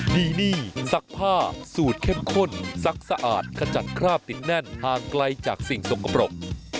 ดีนี่ซักผ้าสูตรเข้มข้นซักสะอาดขจัดคราบติดแน่นห่างไกลจากสิ่งสกปรก